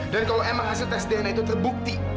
dan kalau emang hasil tes dna itu terbukti